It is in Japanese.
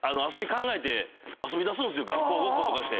学校ごっことかして。